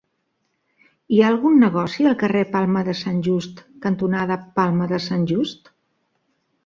Hi ha algun negoci al carrer Palma de Sant Just cantonada Palma de Sant Just?